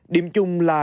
điểm chung là